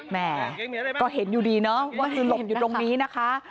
แม่ก็เห็นอยู่ดีเนาะว่าคือหลบอยู่ตรงนี้นะคะ